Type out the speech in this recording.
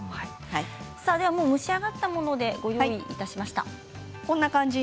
蒸し上がったものでご用意いたしました。